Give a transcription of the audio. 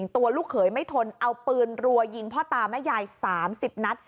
ตัวค่ะครับ